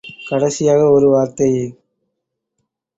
கடைசியாக ஒரு வார்த்தை.